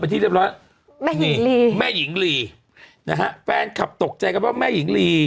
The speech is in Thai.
ไปที่เรียบร้อยแม่หญิงลีนะฮะแฟนคับตกใจกับว่าแม่หญิง